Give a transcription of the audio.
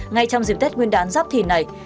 ngay trong dịp tết nguyên đán dắp thì này